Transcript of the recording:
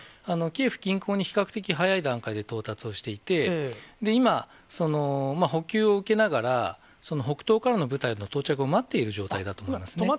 キエフ近郊に比較的早い段階で到達をしていて、今、補給を受けながら、北東からの部隊の到着を待っている状態だと思いますね。